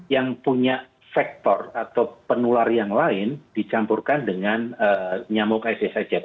yang punya faktor atau penular yang lain dicampurkan dengan nyamuk ic saja